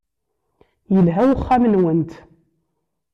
Yelha uxxam-nwent.